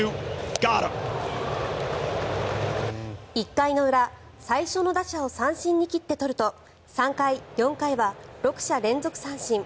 １回の裏、最初の打者を三振に切って取ると３回、４回は６者連続三振。